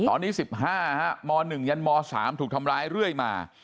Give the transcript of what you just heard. ตอนนี้๑๕ม๑ยันม๓ถูกทำร้ายเรื่อยมา